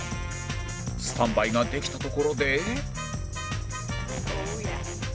スタンバイができたところで